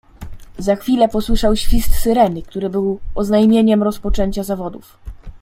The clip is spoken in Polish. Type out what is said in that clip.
"Za chwilę posłyszał świst syreny, który był oznajmieniem rozpoczęcia zawodów."